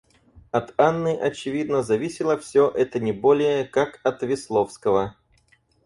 От Анны, очевидно, зависело всё это не более, как от Весловского.